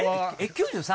９３？